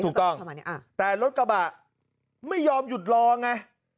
ถูกต้องแต่รถกระบะไม่ยอมหยุดรอไง